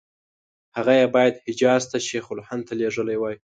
هغه یې باید حجاز ته شیخ الهند ته لېږلي وای.